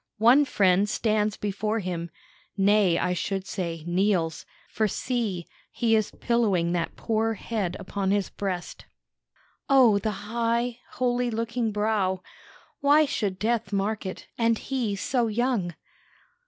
One friend stands before him nay, I should say, kneels; for see, he is pillowing that poor head upon his breast. "O, the high, holy looking brow! Why should death mark it, and he so young?